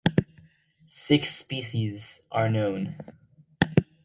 Six species are known.